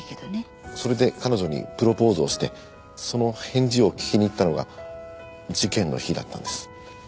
それで彼女にプロポーズをしてその返事を聞きに行ったのが事件の日だったんです。